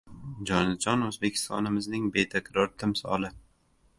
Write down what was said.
Jonajon O‘zbekistonimizning betakror timsoli